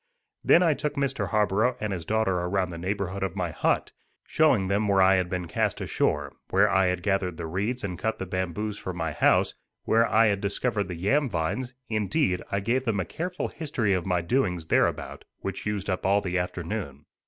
Then I took Mr. Harborough and his daughter around the neighborhood of my hut, showing them where I had been cast ashore, where I had gathered the reeds and cut the bamboos for my house, where I had discovered the yam vines; indeed, I gave them a careful history of my doings thereabout, which used up all the afternoon.